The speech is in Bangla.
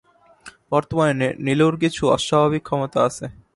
বর্তমানে নীলুর কিছু অস্বাভাবিক ক্ষমতা আছে।